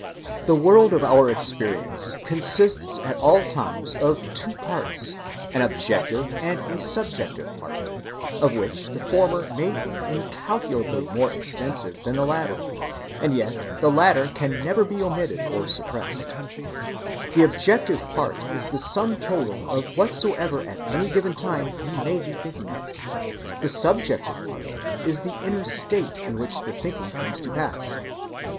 ‐‐‐‐‐‐‐‐‐‐‐‐‐‐‐‐‐‐‐‐‐‐‐‐‐‐‐‐‐‐‐‐‐‐‐‐‐ The world of our experience consists at all times of two parts, an objective and a subjective part, of which the former may be incalculably more extensive than the latter, and yet the latter can never be omitted or suppressed. The objective part is the sum total of whatsoever at any given time we may be thinking of, the subjective part is the inner "state" in which the thinking comes to pass.